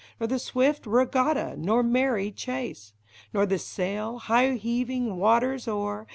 Nor the swift regatta, nor merry chase. Nor the sail, high heaving waters o'er.